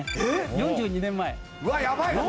４２年前？